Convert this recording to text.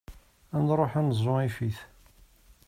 Ad nruḥ ad neẓẓu ifit.